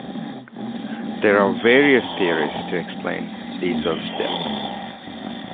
There are various theories to explain Diesel's death.